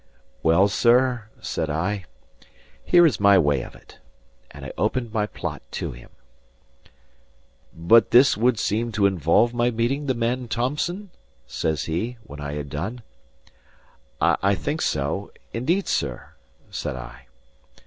"Well, sir," said I, "here is my way of it." And I opened my plot to him. "But this would seem to involve my meeting the man Thomson?" says he, when I had done. "I think so, indeed, sir," said I.